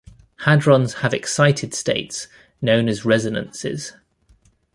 Hadrons have excited states known as resonances.